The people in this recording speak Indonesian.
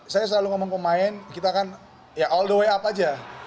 saya selalu ngomong pemain kita kan ya all the way up aja